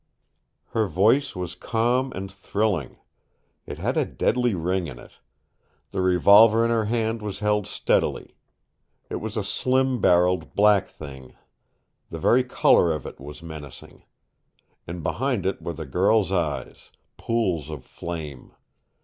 Her voice was calm and thrilling. It had a deadly ring in it. The revolver in her hand was held steadily. It was a slim barreled, black thing. The very color of it was menacing. And behind it were the girl's eyes, pools of flame.